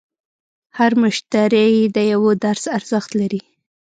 هر مشتری د یوه درس ارزښت لري.